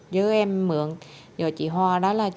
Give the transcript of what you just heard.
giờ em mượn do chị hoa đó là